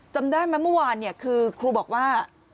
จำได้ไหมเมื่อวานคือครูบอกว่า